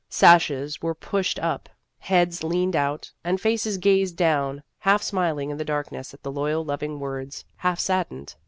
Sashes were pushed up, heads leaned out, and faces gazed down, half smiling in the darkness at the loyal loving words, half saddened.